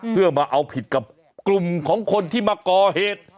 เพื่อมาเอาผิดกับกลุ่มของคนที่มาก่อเหตุ